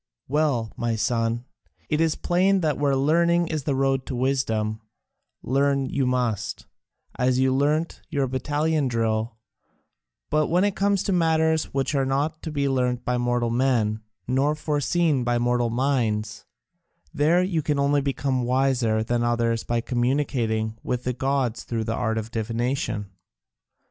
"Well, my son, it is plain that where learning is the road to wisdom, learn you must, as you learnt your battalion drill, but when it comes to matters which are not to be learnt by mortal men, nor foreseen by mortal minds, there you can only become wiser than others by communicating with the gods through the art of divination.